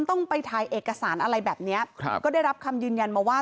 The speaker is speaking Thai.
ต้องไปถ่ายเอกสารอะไรแบบเนี้ยครับก็ได้รับคำยืนยันมาว่า